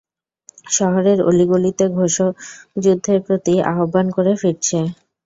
শহরের অলি-গলিতে ঘোষক যুদ্ধের প্রতি আহবান করে ফিরছে।